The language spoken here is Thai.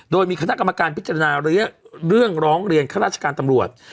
โดยมีคณะกรรมการพิจารณาเรื่องร้องเรียนข้าราชการตำรวจ